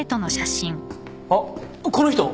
あっこの人！